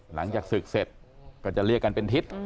หลังจากศึกเสร็จก็จะเรียกกันเป็นทิศ